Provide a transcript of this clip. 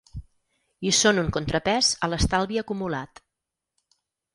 I són un contrapès a l’estalvi acumulat.